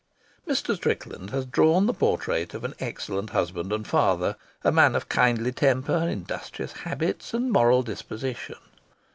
Mr. Strickland has drawn the portrait of an excellent husband and father, a man of kindly temper, industrious habits, and moral disposition.